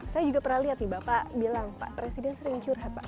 saya juga pernah lihat nih bapak bilang pak presiden sering curhat pak